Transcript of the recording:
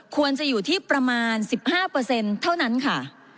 ควรจะอยู่ที่ประมาณ๑๕เท่านั้นค่ะ